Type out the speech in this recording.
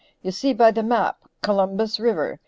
You see by the map. Columbus River.